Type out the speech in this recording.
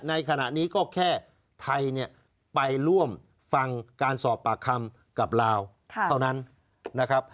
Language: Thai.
ในขณะนี้ก็แค่ไทยเนี่ยไปร่วมฟังการสอบปากคำกับลาวเท่านั้นนะครับ